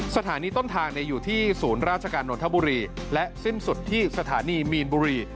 สถานีต้นทางอยู่ที่ศูนย์ราชการนนทบุรีและสิ้นสุดที่สถานีมีนบุรี